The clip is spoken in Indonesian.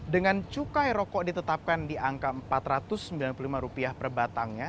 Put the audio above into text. dengan cukai rokok ditetapkan di angka rp empat ratus sembilan puluh lima per batangnya